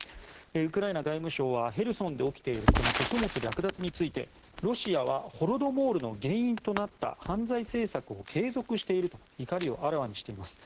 ウクライナ外務省はヘルソンで起きている穀物略奪についてロシアはホロドモールの原因となった犯罪政策を継続していると怒りをあらわにしています。